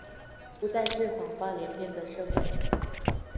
不再是謊話連篇的社會